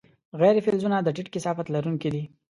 غیر فلزونه د ټیټ کثافت لرونکي دي.